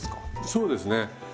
そうですね。